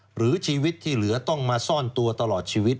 หรือชีวิตที่เหลือต้องมาซ่อนตัวตลอดชีวิต